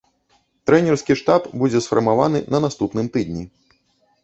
Трэнерскі штаб будзе сфармаваны на наступным тыдні.